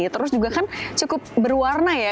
terus juga kan cukup berwarna ya